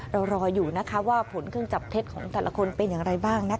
รออยู่นะคะว่าผลเครื่องจับเท็จของแต่ละคนเป็นอย่างไรบ้างนะคะ